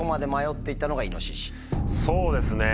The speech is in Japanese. そうですね。